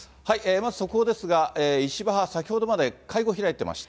まず速報ですが、石破派は先ほどまで会合開いていました。